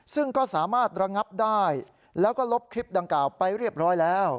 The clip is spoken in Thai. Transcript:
ซึ่งก็สามารถระงับได้แล้วก็ลบคลิปดังกล่าวไปเรียบร้อยแล้ว